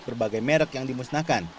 berbagai merek yang dimusnahkan